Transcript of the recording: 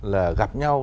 là gặp nhau